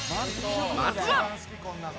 まずは。